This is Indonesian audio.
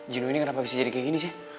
juno ini kenapa bisa jadi kayak gini sih